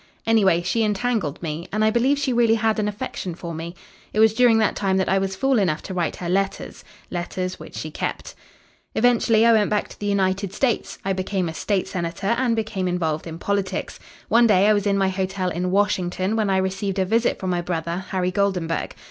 Anyway she entangled me. And I believe she really had an affection for me. It was during that time that I was fool enough to write her letters letters which she kept. "Eventually I went back to the United States. I became a state senator and became involved in politics. One day I was in my hotel in Washington when I received a visit from my brother Harry Goldenburg.